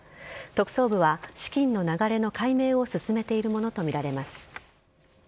特捜部は資金の流れの解明を進めているものと見られます。